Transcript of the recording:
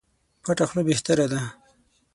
پټه خوله بهتره ده.